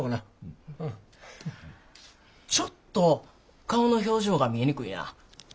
ちょっと顔の表情が見えにくいな。